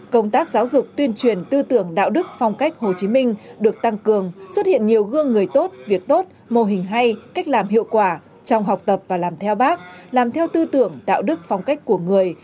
công tác giáo dục tuyên truyền tư tưởng đạo đức phong cách hồ chí minh được tăng cường xuất hiện nhiều gương người tốt việc tốt mô hình hay cách làm hiệu quả trong học tập và làm theo bác làm theo tư tưởng đạo đức phong cách của người